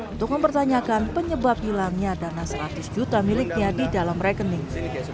untuk mempertanyakan penyebab hilangnya dana seratus juta miliknya di dalam rekening